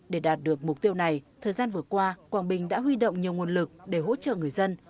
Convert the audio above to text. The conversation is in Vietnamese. để đạt được mục tiêu này thời gian vừa qua quảng bình đã huy động nhiều nguồn lực để hỗ trợ người dân